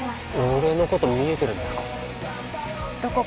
俺のこと見えてるんですか？